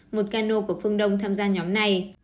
một cano của phương đông tham gia nhóm này